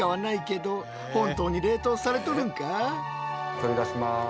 取り出します。